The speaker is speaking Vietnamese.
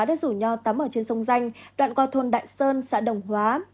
đã rủ nhau tắm ở trên sông danh đoạn qua thôn đại sơn xã đồng hóa